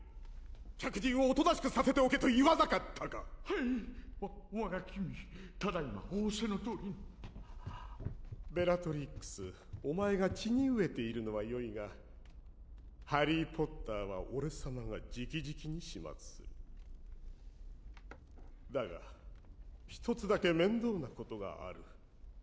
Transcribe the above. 客人をおとなしくさせておけと言わなかったかはい我が君ただ今仰せのとおりにベラトリックスお前が血に飢えているのはよいがハリー・ポッターは俺様がじきじきに始末するだが一つだけ面倒なことがある